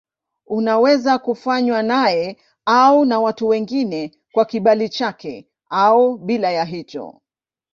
Unaweza kufanywa naye au na watu wengine kwa kibali chake au bila ya hicho.